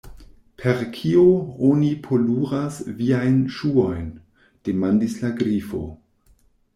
"Per kio oni poluras viajn ŝuojn?" demandis la Grifo.